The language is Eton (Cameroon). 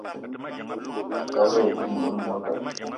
Dob-ro ayi dougni melou meba.